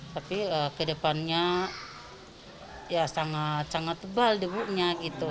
tapi ke depannya sangat tebal debunya